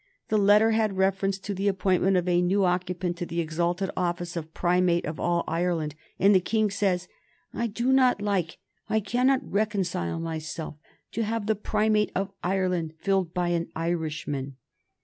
The letter had reference to the appointment of a new occupant to the exalted office of Primate of All Ireland, and the King says, "I do not like, I cannot reconcile myself to have the Primacy of Ireland filled by an Irishman."